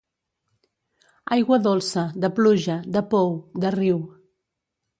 Aigua dolça, de pluja, de pou, de riu.